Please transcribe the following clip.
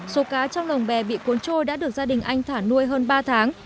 số cá trong lồng bè bị cuốn trôi đã được gia đình anh thả nuôi hơn ba tháng